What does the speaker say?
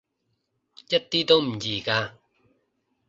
一啲都唔易㗎